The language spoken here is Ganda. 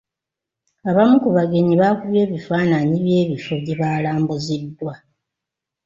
Abamu ku bagenyi baakubye ebifaananyi by'ebifo gye baalambuziddwa.